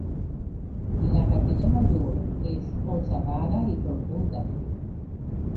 La capilla mayor es ochavada y profunda.